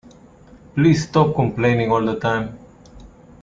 Please stop complaining all the time!